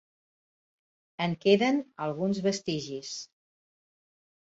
En queden alguns vestigis.